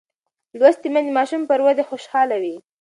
لوستې میندې د ماشوم پر ودې خوشحاله وي.